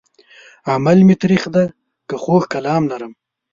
عمل مې تريخ دی که خوږ کلام لرم